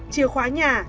chìa khóa nhà